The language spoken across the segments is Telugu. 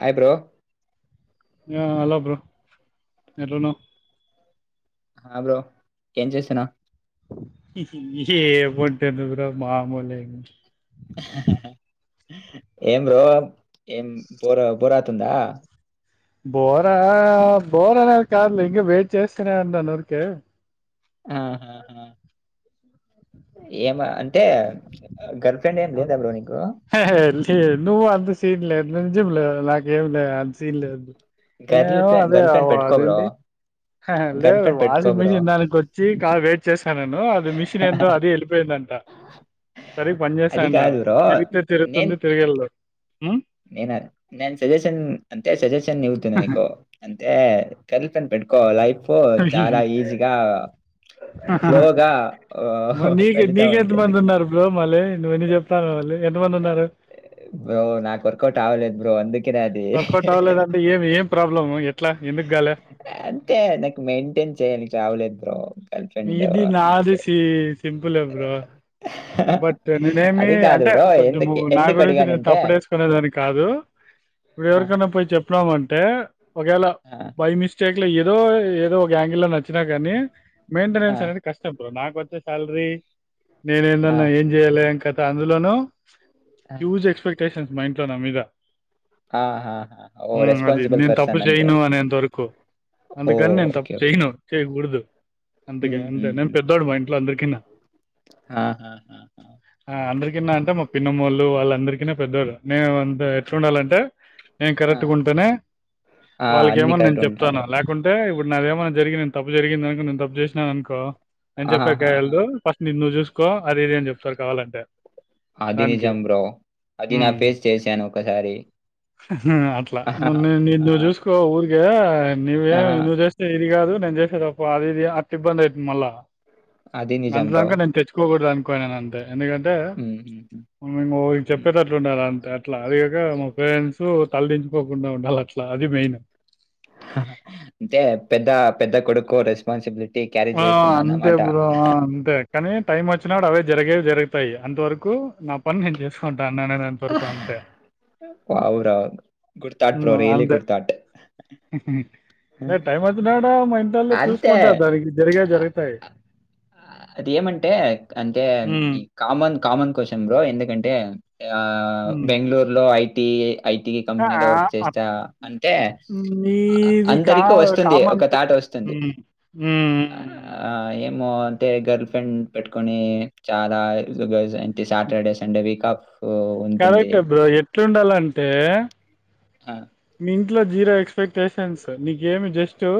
Hi bro. ఆ హలో బ్రో ఎట్లునవ్. ఆ బ్రో ఏం చేస్తున్నావ్. ఏముంటుంది రా మామూలే. హహహ ఏం బ్రో ఏం బోరా బోరావుతుందా. బోరా బోరా అనేది కాదులే ఇంకా వెయిట్ చేస్తూనే ఉంటాను ఊరికే. ఆహా ఆహ్. ఆ గర్. హే లే నువ్వు అంత సీనుల్లే. నజిమ్లే నాకే ఏం లే అంత సీన్లేదు. గర్ల్ నేను ఫ్రెండ్ అదే గర్ల్ ఫ్రెండ్ పెట్టుకో అది బ్రో ఏంది గర్ల్ లేదు ఫ్రెండ్ పెట్టుకో వాషింగ్ బ్రో మిషిన్ దానికి వచ్చి కా వెయిట్ చేస్తా నేను. అది మిషన్ ఏందో అది వెళ్ళిపోయిందంట సరిగ్ పని చేస్త అది కాదు లవ్ బ్రో తిరిగితే తిరుగుతుంది తిరిగెలు. నేన నేను సజెషన్ అంతే సజెషన్ ఇవుతును నీకు. ఏ కలితను పెట్టుకో లైఫ్. చాలా ఈజీగా ఫ్లోగా మరి నీకు వెళుతా ఉంది నీకెంతమంది అందుకే ఉన్నారు బ్రో మళ్ళీ నువ్వు విన్ని చెప్తానవ్ మళ్ళీ ఎంతమందున్నారు. అ లేద్ బ్రో అందిక్ కిరాదె ఏం ఏం ప్రాబ్లం ఎట్లా ఎందుకు గాలే అంతే నాకు మెంటేన్ చేయనికి చావలేద్ బ్రో గర్ల్ ఫ్రెండ్ ఇది నాది అందుకే. సేమ్ సెమ్ ప్పులే బ్రో బట్ నేనేమి అది కాదు అంటే బ్రో కొంచెము ఎందుకు నా గురించి నేను ఎందుకడిగానంటే తప్పుడు వేసుకునే దానికి కాదు, ఇప్పుడు ఆ! ఎవరికన్నా పోయి చెప్పినామంటే ఒకవేళ ఆ! బై మిస్టేక్, ఇట్లా ఏదో ఏదో ఒక యాంగిల్లో లో నచ్చినా కానీ ఆ! మేంటెనన్స్ అనేది కష్టం బ్రో నాకు వచ్చే సాలరీ నేనే ఆ! దాన్లో ఏం చేయాలె ఏం కత్ అందులోను ఆ! హ్యూజ్ ఎక్స్పెక్ట్ టేషన్స్ మా ఇంట్లో నా మీద ఆహాహా! ఓహ్! హ్మ్ అది రెస్పాన్సిబుల్ నేను తప్పు పర్సన్ అంతే. చేయను అనేంత వరకు అందుకని ఓహ్! నేను ఓకే. తప్పు ఓకే. చేయను చేయ్యకూడదు. అంతేగ అంతే నేను హుహుహు. పెద్దోడు మా ఇంట్లో అందరికి కినా ఆహాహాహా! ఆ అందరి కన్నా అంటే మా పిన్నమ్మ వాళ్ళు వాళ్ళందరు రి కన పెద్దోడు నే వన్ దే ఎట్లుండాలంటే నేను ఆ! కరెక్ట్ ఉంటేనే ఆ! అన్నీ వాళ్ళకేమని నేను కరెక్ట్ చెప్తానా ఉంటారు. లేకుంటే, ఇ నాదేమైన్నా జరిగి నే తప్పు జరిగింది నేను తప్పు చేసినాను అనుకో నేను ఆహాహాహా! చెప్పాకయలదు ఫస్ట్ నిన్ను నువ్వు చూస్ కో అది ఇది అని చెప్తా కావాలంటే అది దానికి నిజం బ్రో అది నా ఉమ్. ఫేస్ చేసాను ఒకసారి అహ్హ హా ఆ యా ఐమ్ ఆ, నువ్వేమి నువ్వు చేస్తే ఏది కాదు నేను చేసేతప్పు అది ఇది అట్ల ఇబ్బంది అయితుంది మళ్ళా అదీ నిజం బ్రో పోకూడదు అనుకో నెను అంతే ఎందుకంటేం హుహుహు. మేము హ్మ్. చెప్పేటట్లు ఉండాల అంతే అట్లా అది కాక మా పేరెంట్సు. తల దించుకోకుండా ఉండాల అట్లా అది మెయిన్ అంటే పెద్ద పెద్ద కొడుకు రెస్పాన్సిబిలి ఆ అంతే బ్రో అంతే కానీ టైం వచ్చినాడు అవే జరిగేవి జరుగుతాయి అంతవరకు నా పని నేను చేస్సాను [unintelligible] రాన్నంత వరకు అంతే వావ్ రా good thought bro hmm really అంతే గుడ్ థాట్. హుహ్ టైం వచ్చిన [inaudible] నన్ను చూసుకుంటారు దరిగి ఆ ఆ అది ఏమంటే అంటే హ్మ్. ఈ కామన్ కామన్ క్వశ్చన్ బ్రో ఎందుకంటే ఆ హ్మ్. బెంగళూరులో ఐ టీ ఐటి ఆ! కంపెనీలో వర్క్ ఆహ్, అప్ చేస్తా అంటే అందరికి వస్తుంది, ఒక థాట్ వస్తు ఉంహ్ ఊ ఊ ఉ ఏమో అంటే గర్ల్ ఫ్రెండ్ పెట్టుకొని చాలా [inaudible] [inaudible] టే సాటర్డే సండే వీకాఫ్, కరెక్టే బ్రో ఎట్లుండాలంటే ఆ మీ ఇంట్లో జీరాక్స్ ఎక్స్పెక్టేషన్స్ నీకేమి జస్ట్ టో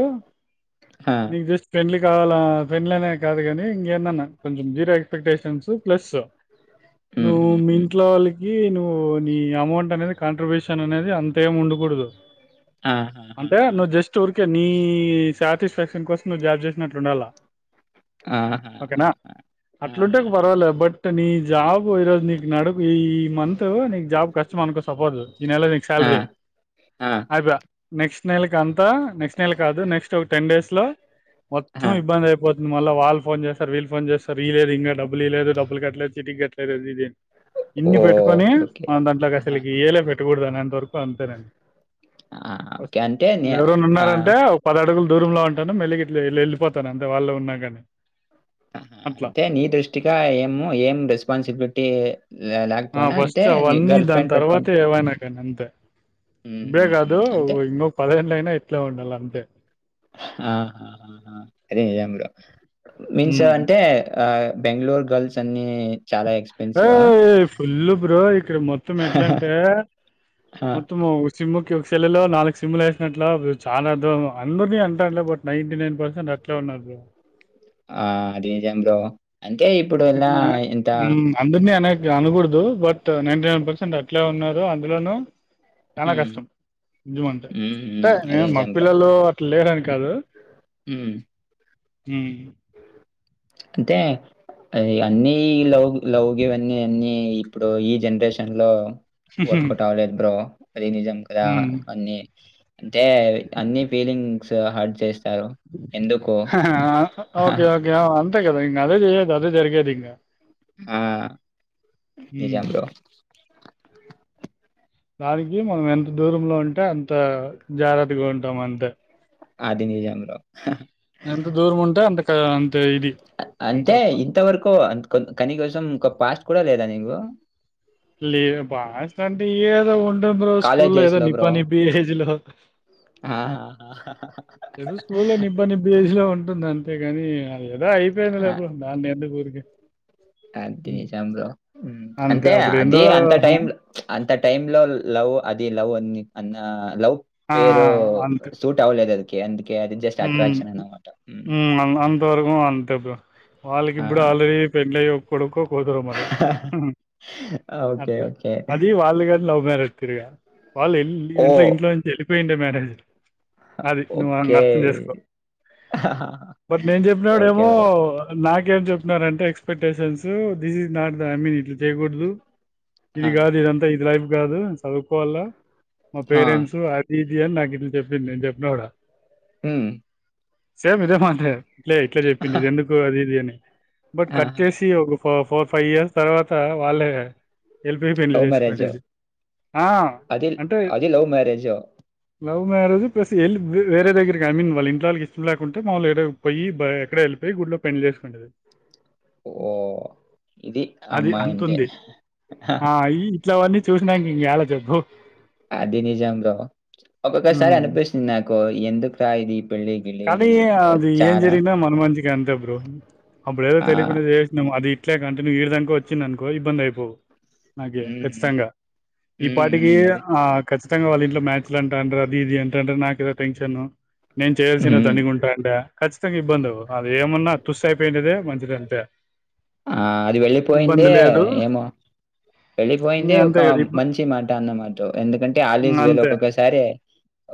నీకు జస్ట్ ఫ్రెండ్లీ కావాల పెండ్లనే కాదు కాని ఇంకేన్నాన్నా కొంచెం జీరో ఎక్స్పెక్టేషన్స్ ప్లస్ హ్మ్. నువ్వు హ్మ్. మీ హ్మ్. ఇంట్లో వాళ్ళ ఈ నువ్వు నీ అమౌంట్ అనేది కాంట్రిబ్యూషన్ అనేది అంతేం ఉండ కూడదు. అంటే ఆహాహాహా! నువ్వు జస్ట్ ఊరి కే నీ సాటిస్ఫాక్షన్ కోసం నువ్వు జాబ్ చేసినట్లు ఉండాల. ఆహాహా! ఓకేనా అట్లుంటే ఆహాహా! పర్వాలే బట్ కని జాబ్ కు ఈ రోజు నీకు నడుగు ఈ మంత్ నీకు జాబ్ కష్టం అనుకో సపోసు ఈ నెల నీకు ఆ! సాలరీ, ఆ! అయిపాయే నెక్స్ట్ నెలకి అంతా, నెక్స్ట్ నెల కాదు. నెక్స్ట్ ఒ టెన్ డేస్ లో ఆ! మొత్తం ఇబ్బంది అయిపో మళ్ళ వాళ్ళు ఫోన్ చేస్తారు, వీళ్ళు ఫోన్ చేస్తరు. ఇయలేదు ఇంగా డబ్బులు ఇయ లేదు, డబ్బులు కట్లేదు, చిట్టీకి కట్లేదు అది ఇది అని. ఇన్ని పెట్టుకొని ఓకే. ఓకే. మన దాంట్లోకి అసలుకి ఆహాహా! ఏలే పెట్టకూడ అంత వరకు ఆ! ఓకే. ఫస్ట్ అంటే నే ఎవరన్నా ఆ! ఉన్నారంటే ఒ పది అడుగులు దూరం లో ఉంటాను. మెల్లిగా ఇట్లా వెళ్ళిపోతాను. అంతే వాళ్ళు ఉన్నాగాని. అంతే నీ దృష్టిగా ఏమో ఏం రెస్పాన్సిబిలిటీ ఆ లేకపోయినా అంటే ఫస్ట్ నీ అవన్నీ గర్ల్ ఫ్రెండ్ దాని తర్వాత పెట్టుకుంటే ఏవైనా కానీ ఇంక హ్మ్. హ్మ్. ఇబ్బుడేగాదు హ్మ్. అంటే ఇంగా పదేలైన ఇట్లే ఉండల అంతే ర్ మీన్స్ ఉమ్. అంటే ఆ బెంగళూరు గర్ల్స్ అన్ని రో ఫుల్ బ్రో ఇక్కడ మొత్తం ఎట్లా అంటే ఆ! మొత్తం సిమ్ కి ఒక సెల్ లో నాలుగు సిమ్లు వేసినట్ల చాలా అర్థం. అందరినీ అంటాలే బట్ నైంటి నైన్ పర్సెంట్ అట్లానే ఉన్నారు బ్రో. ఆ అదిజాతాం అంటే ఇప్పుడు ఎలా ఎంత అనుగుడు దు బట్ నైంటినైన్ పర్సంట్ అట్లే ఉన్నారు అందులోనూ చానా హ్మ్. కష్టం నిజము అంటే హ్మ్. హ్మ్. అంటేే అది మగ నిజం బ్రో. పిల్లలు లేరని కాదు హ్మ్ హ్మ్ అంటే ఇగ అన్ని ఈ లౌవ్ గివ్ అన్నీ ఇప్పుడు ఈ జనరేషన్లో వర్కౌట్ అవ్వలేదు బ్రో అది నిజం కద హ్మ్ అన్ని అంటే అన్ని ఫీలింగ్ స్ చేస్ హా హా ఓకే ఓకే అంతే కదా ఇంక అదే చేయదు అదే జరిగేది ఇంకా ఆ హ్మ్ నిజం బ్రో దానికి మనం ఎంత దూరంలో ఉంటే అంత జాగ్రత్తగా ఉంటాం అంతే అది నిజం బ్రో ఎంత దూరం ఉంటే అంత అంత్ అంటే ఇంతవరకు కొం కనీ కోసం ఒక పాస్ట్ కూడా లేదా నీకు ఇగో లేదు పాస్టంటే ఏదో ఉ లేదా బ్రో స్కూల్ కాలేజ్ లో ఏదో డేస్‌లో నిబ్బా బ్రో. నిబ్బి ఏజ్ లో ఆ! ఏదో స్కూల్లో నిబ్బ నిబ్బి ఏజ్ లో ఉంటుందం అంతేగాని ఆ ఏదో అయిపోయిందిలే ఆ! బ్రో దాన్ని ఎందుకు ఊరి అ [inaudible] అది నిజం బ్రో అంతే అంటే అది అప్పుడేందో అంత ఆ! టైం లో అంత టైంలో లవ్ అది లవ్ అన్ని అన్నా లవ్ ఆ! పేరూ సూట్ అవ్వ లేదది. కేంది మ్మ్ హ్మ్ అంతవరకు అంతే బ్రో వాళ్ళకి ఆ! ఇప్పుడు ఆల్రెడీ పెళ్ళి అయ్యి కొడుకు పోతావ మరి ఓకే. అట్ల ఓకే. అది వాళ్ళు గూడ లవ్ మ్యారేజ్ క్రియా వాళ్ళువెళ్ వెళ్ళి ఇంట్ ఓహ్! ఇంట్లో నుంచి వెళ్ళిపోయి మే [inaudible] అది నువ్వు నన్ను ఓకే. అర్థం చేసుకో, బట్ నేను ఓకే. చెప్పినావిడేమో ఓకే ఏమో బ్రో. నాకేం చెప్పు న్నారంటే expectations this is not the I mean ఇట్ల చేయకూడదు. ఇదిగాదు ఆహా! ఇదంతా ఇదిలా గాదు నేను చదువుకోవాలా మా ఆ! పేరెంట్సు అది ఇది అని నాకు ఇట్లా చెప్పింది. నేను చెప్పినా కూడా హ్మ్ సేమ్ ఇదే మాటే ఇట్లే ఇట్ల చెప్పింది ఇది ఎందుకు అది ఇది అని బట్ కట్ ఆహా! చేసి ఓ ఫో ఫోర్ ఫైవ్ ఇయర్స్ తర్వాత వాళ్ళే ఎల్పి పెళ్లి లవ్ మేరేజో చేసుకునేది ఆ, అది అంటే అది లవ్ మేరేజో లవ్ మ్యారేజు ప్లస్ ఎళ్ళ్ వేరేదగ్గరకి ఐ మీన్ వాళ్ళ ఇంట్లో వాళ్లకి ఇష్టం లేకుంటే మామూలుగా ఎక్కడికో పోయి ఎక్కడో వెళ్ళిపోయి గుళ్లో పెళ్లి చేసుకొంటది. ఓ ఇది అది అమ్మాయంటే అంతుంది ఆ ఈ ఇట్లావన్నీ చూసినాక ఇం ఎలా చ అది నిజం బ్రో ఒక్కొక్కసారి హ్మ్. అనిపిస్తుంది నాకు ఎందుకో ఎందుకురా ఇది పెళ్లి గిళ్ళి కానీ అని అన్నట్టు అది ఏం చాలా జరిగినా మన మంచికే అంతే బ్రో అప్పుడు ఏదో ఆ తెలియకుండా చేసినమ్ అది ఇట్లే కంటిన్యూ ఈడిదాక వచ్చింది అనుకో ఇబ్బంది అయిపోవు నాకి ఉమ్, ఖచ్చితంగా ఈ ఉమ్, పాటికి ఉమ్, అదే ఆ ఖచ్చితంగా వాళ్ళ ఇంట్లో మ్యాచ్లు అంట అంటారు అది ఇది ఏంటంటే నాకుడ టెన్షను నేను చేయాల్సిన దండిగుంటాండా. ఖచ్చితంగా ఇబ్బంది. అది ఏమున్నా తుస్సయిపోయిండేదే మంచిదంతే. ఆ అది వెళ్ళిపోయిందే ఇబ్బంది లేదు. ఏమో వెళ్ళిపోయిందే ఒక ఇంగంతే కదా! ఇబ్బ మంచి మాట అన్నమాట ఎందుకంటే ఆలీజ్ హ్మ్. వెల్ అంతే. ఒక్కొక్కసారి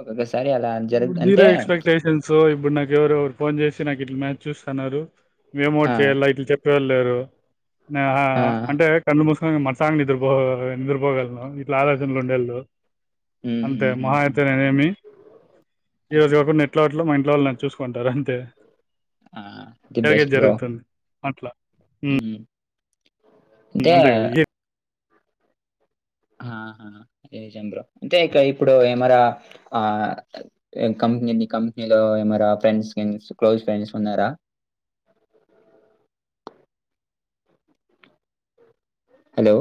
ఒక్కొక్కసారి అలా జరుగ తాంటే స్టేషన్స్ ఇప్పుడు నాకువరు ఫ పోన్ చేసి నాకు ఇట్ల మ్యాచ్ చూస్తున్నారు మేమోట్ ఆ, చేయాలి ఇట్లు చెప్పేవాల్లు తరు ఆ ఆ అంటే కన్ను మూసుకు మరసాంగలు నిద్రపో నిద్రపోగలను ఇట్లా ఆలోచనలు ఉండేళ్ళు ఉమ్, అంతే ఉమ్, ఉమ్, మహాయతే ఉమ్, నేనేమి ఈ ఆ, రోజుగాకు నెట్లాట్ ఇట్లో మా ఇంట్లో వాళ్ళ చూసుకుంటారు అంతే ఆ ది బెస్ట్ జరిగేది బ్రో జరుగుతుంది అట్లా ఉమ్, హ్మ్ ఇంటే అంతే కదా ఏ- నిజం బ్రో అంటే ఇడ ఇప్పుడు ఏమరా ఆ కంపెనీ కంపెనీలో ఏరా ఫ్రెండ్స్ క్లోజ్ ఫ్రెండ్స్ ఉన్నారా hello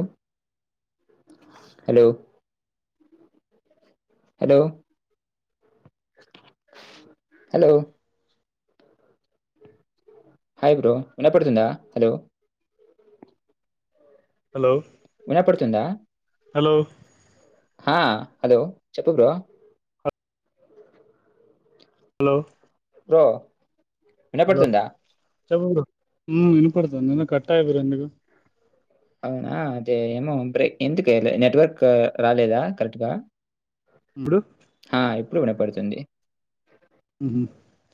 hello hello hello hi bro వినపడుతుందా హలో హలో విన పడుతుందా హలో హ హలో చెప్ప బ్రో హలో బ్రో వినపడుతుందా చ ఇనుపడుతుా నన్న కట్టాయి బరా అందుకు అవునా అదే తే ఏమోే ఎందుకు నెట్వర్క్ రాలేదా కరెక్ట్గా బ్రో ఆ ఇప్పుడు వినపడుతుంది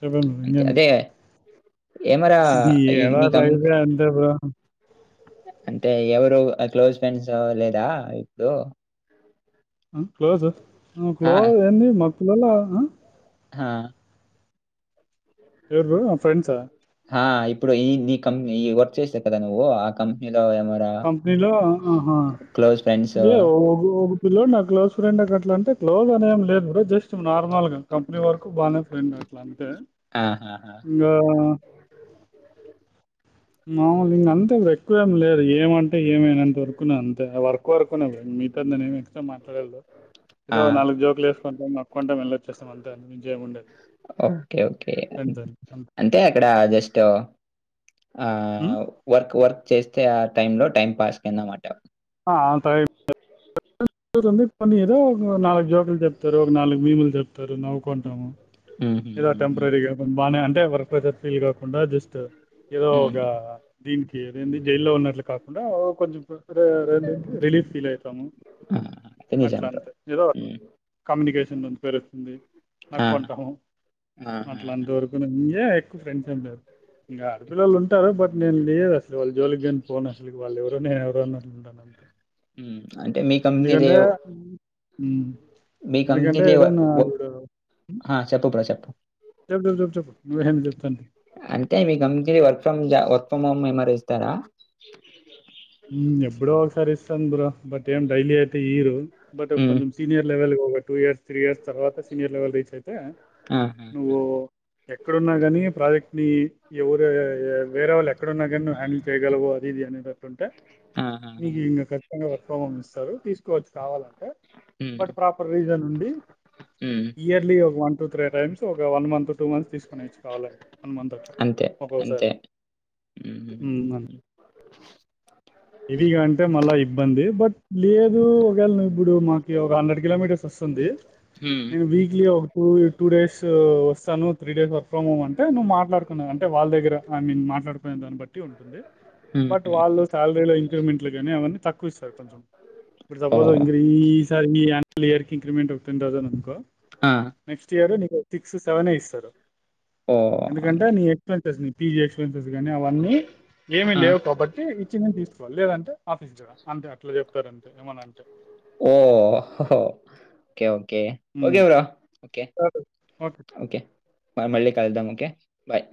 మ్మ్ అంతే మ్మ్ [inaudible] అదే ఏమరా ఈ నీ కం ఎదోటయిపోయా అంతే పో అంటే ఎవరు క్లోజ్ ఫ్రెండ్స్ లేదా ఇప్పుడు క్లోజ్ ఆ క్లో ఎన్ని మ పులిలో ఉంది హా ఎవరు నా ఫ్రెండ్సా ఆ ఇప్పుడు ఈ నీ కంపెనీ ఈ వర్క్ చేసా కదా నువ్వు ఆ కంపెనీ కంపెనీలో ఆహా క్లోజ్ ఫ్రెండ్స్ లే ఎద్ బ్రో నా క్లోజ్ ఫ్రెండ్ అట్లంటే క్లోజ్ అనే ఏం లేదు బ్రో జస్ట్ నార్మల్గా కంపెనీ వరకు బానే రండి అట్లా అంటే ఆహాహా ఇంగా మాముల్ అంతే బ్రో ఎక్కువేం లేదు ఏమంటే ఏమి అనేంత వరకునే అంతే వర్క్ వరకునే మీతో ఏం ఎక్ మాట్లాడల్లే ఆ ఇదో నాలుగు జోక్ లేస్ పొద్దున్నే కొంటా వెళ్ళొచ్చేస్తా అంతే అంతకు మించి ఏముండదు ఓకే ఓకే ఫ్రెండ్స్ అంతే అంతే ఆక్కడ జస్ట్ ఆ ఉం? వర్క్ వర్క్ చేస్తే ఆ టైమ్ లో టైమ్ పాస్ కింద మట ఆ, అంత ఒక ఏదో నాలుగు జోక్లూ చెప్తారు ఒక నాలుగు మీములు చెప్తారు తో నవ్వుకుంటాము ఉహు ఏదో ఉహు ఉమ్ ఉమ్, టెంపరరీ బాగానే అంటే వర్క్ ఫీల్ కాకుండా జస్ట్ ద ఏదో ఉమ్, ఉమ్. ఒకగా దీనికి ఏదైంది జైల్లో ఉన్నట్లు కాకుండా కొంచెం కో రిలీఫ్ ఫీల్ అయితాము ఆ అయితే నిజం అట్లా బ్రో అంతే ఏదో ఒక ఉమ్ కమ్యనికేషన్ ందు పెరుస్తుంది ఆ నాక్కొంటాము ఆహా అట్లా అంతవరకు ఇంగేం ఎక్కువ ఫ్రెండ్స్ ఎంలేరు ఇంగా ఆడపిల్లలు ఉంటారు బట్ ఇంగేమీ వేరే అసలు వాళ జోలికిగని పోను అసల్కి వాళ్ళ ఎవరో నేన్ ఎవరో అన్ మ్మ్ అంటే మీ కంపెనీ లేవ్ మ్మ్ మీ కంపెనీ లే హ చెప్పప్ప చెప్పు చెబ్ప్ చె చెప్ చెప్ నె చెప్తుంది అంటే మీకు అంటె work from work from home ఏమర ఇస్తారా హ్మ్ ఎప్పుడో ఒకసారి ఇస్తస్తంద బ్రో బట్ ఏం డైలీ అయితే ఈరు బట్ ఉమ్ కొంచెం సీనియర్ లెవెల్కి ఒకటి టూ ఇయర్స్ తీ ఇయర్స్ తర్వాత సీనియర్ లెవెల్ రీచ్ అయితే ఆహా నువ్వు ఎక్కడున్నా కాని ప్రాజెక్ట్ ని ఎవరు ఏ ఏ వేరే వాళ్ళు ఎక్కడున్న గని నువ్వు హ్యాండిల్ చేయగలవు అది ఇది అనేది అంటుంటే మీ ఆహాహా ఇ ఖచ్చింగా వర్క్ ఫ్రమ్ హోమ్ ఇస్తారు తీసుకోవచ్చు కావాలంటే ఉమ్ బట్ ప్రాపర్ రీజన్ ఉండి ఉమ్ ఇయర్లీ ఒక వన్ టూ త్రీ టైమ్స్ ఒక వన్ మంత్ టూ మంత్స్ తీసుకొని ఇచ్చి కావాలంటే వన్ మంత్ అట్లా అంతే ఒక్కొసారి అంతే ఉమ్ ఉమ్ ఉమ్ అ ఇదిగా అంటే మళ్ళా ఇబ్బంది బట్ లేదు ఒకవేళ నువ్వు ఇప్పుడు మాకి ఒక హండ్రెడ్ కిలోమీటర్స్ వస్తుంది ఉమ్ నేను వీక్లీ ఒక టూ టూ డేస్ వస్తాను త్రీ డేస్ వ వర్క్ ఫ్రమ్ హోమ్ అంటే నువు మాట్లాడుకున్నాం అంటే వాళ్ళ దగ్గర ఐ మీన్ మాట్లాడుకునే దాన్ని బట్టి ఉంటుంది ఉమ్, బట్ ఉమ్, వాళ్ళు ఉమ్. శాలర్ వేల ఇంక్రిమెంట్ లో గానీ అవన్నీ తక్కువ ఇస్తరు కొంచెం ఇప్పుడు సపోజ్ ఓ ఇంక్రి ఈ ఈ సారి మీ అన్యుల్ ఇయర్ కి ఇంక్రిమెంట్ ఒక టూ తౌసండ్ ఆ నెక్స్ట్ ఇయర్ నెక్ [unintelligible] తిక్స్ సెవెనే ఇస్తారు ఓ ఎందుకంటే అంగ- నీ ఎక్మెంటేషన్ పీ జి ఎస్ [unintelligible] గానీ అవన్నీ ఏమి ఆ లేవు కాబట్టి ఇచ్చినది తీస్ [unintelligible] లేదంటే ఆఫిజ్ రా అంతే అట్లా చెప్తారంతే ఏమన అంటే కే ఒకే బ్రో ఒకే ఓకే మనం మళ్ళీ కలుద్దాం ఓకే బాయ్